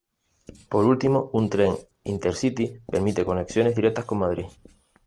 Por último un tren Intercity permite conexiones directas con Madrid.